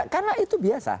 karena itu biasa